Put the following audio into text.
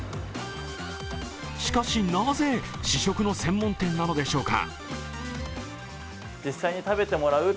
しかし、なぜ試食の専門店なのでしょうか。